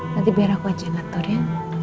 nanti biar aku aja yang ngatur ya